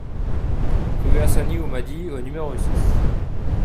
Rue Assani Houmadi au numéro six